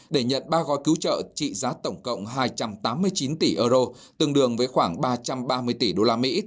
để nhận ba gói cứu trợ trị giá tổng cộng hai trăm tám mươi chín tỷ euro tương đương với khoảng ba trăm ba mươi tỷ usd